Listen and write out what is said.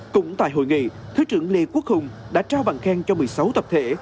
cũng tại hội nghị thứ trưởng lê quốc hùng đã trao bằng khen cho một mươi sáu tập thể